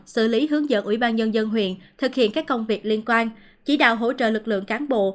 xử lý hướng dẫn ủy ban nhân dân huyện thực hiện các công việc liên quan chỉ đạo hỗ trợ lực lượng cán bộ